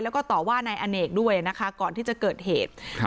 แล้วก็ต่อว่านายอเนกด้วยนะคะก่อนที่จะเกิดเหตุครับ